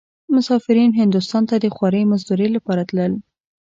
مسافرين هندوستان ته د خوارۍ مزدورۍ لپاره تلل.